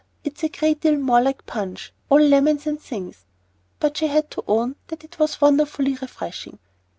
"It's a great deal more like punch all lemon and things." But she had to own that it was wonderfully refreshing.